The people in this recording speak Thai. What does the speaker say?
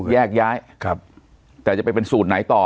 แยกย้ายครับแต่จะไปเป็นสูตรไหนต่อ